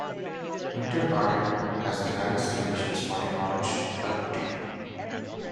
Winter Garden has the highest elevation spot in Orange County.